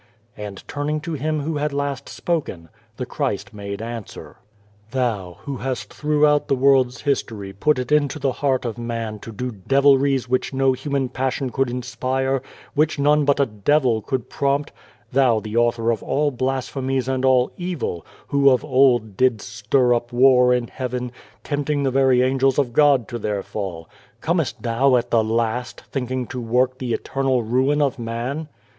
And turning to him who had last spoken, the Christ made answer :" Thou who hast throughout the world's history put it into the heart of man to do 56 God and the Ant devilries which no human passion could inspire, which none but a devil could prompt thou the author of all blasphemies and all evil, who of old didst stir up war in heaven, tempting the very angels of God to their fall, comest thou at the last, thinking to work the eternal ruin of man